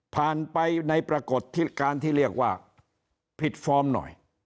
ผ่านไปในปรากฏทิศการที่เรียกว่าผิดฟอร์มหน่อย